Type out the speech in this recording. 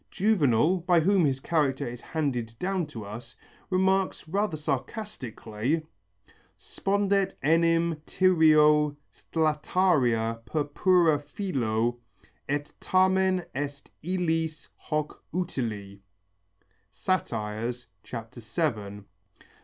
Juvenal, by whom his character is handed down to us, remarks rather sarcastically: Spondet enim Tyrio stlataria purpura filo, Et tamen est illis hoc utile (Sat. VII).